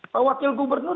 pak wakil gubernur